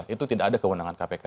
itu tidak ada kewenangan kpk